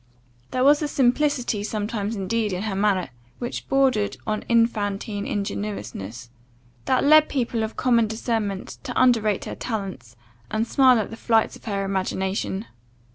There was a simplicity sometimes indeed in her manner, which bordered on infantine ingenuousness, that led people of common discernment to underrate her talents, and smile at the flights of her imagination.